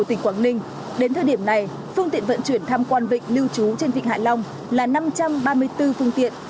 của tỉnh quảng ninh đến thời điểm này phương tiện vận chuyển thăm quan vịnh lưu trú trên vịnh hải long là năm trăm ba mươi bốn phương tiện